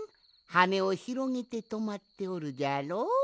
はねをひろげてとまっておるじゃろう。